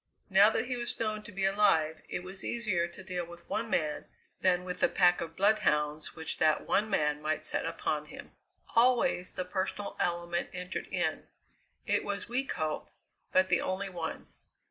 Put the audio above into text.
Now that he was known to be alive it were easier to deal with one man than with the pack of bloodhounds which that one man might set upon him. Always the personal element entered in it was weak hope, but the only one.